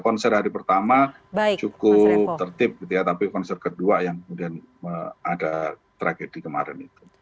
konser hari pertama cukup tertib gitu ya tapi konser kedua yang kemudian ada tragedi kemarin itu